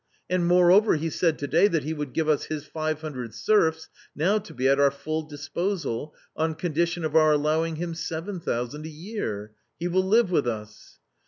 " And moreover, he said to day that he would give us his five hundred serfs, now to be at our full disposal, on condition of our allowing him seven thousand a year. He will live with us."